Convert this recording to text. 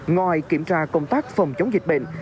ngoài kiểm tra công tác phòng chống dịch bệnh